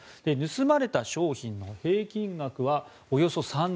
盗まれた商品の平均額はおよそ３０００円。